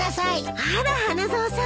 あら花沢さん